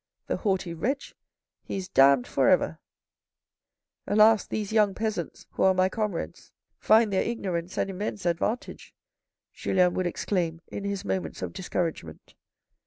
The haughty wretch, he is damned for ever." "Alas, these young peasants, who are my comrades, find THE WORLD, OR WHAT THE RICH LACK 189 their ignorance an immense advantage," Julien would exclaim in his moments of discouragement.